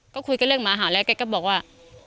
ก็คุยกับเรื่องหมาหาแล้วแกก็บอกว่า